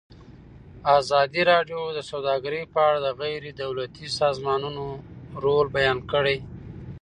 ازادي راډیو د سوداګري په اړه د غیر دولتي سازمانونو رول بیان کړی.